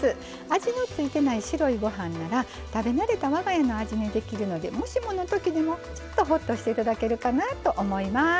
味の付いてない白いご飯なら食べ慣れた我が家の味にできるのでもしものときでもちょっとホッとしていただけるかなと思います。